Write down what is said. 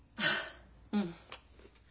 うん。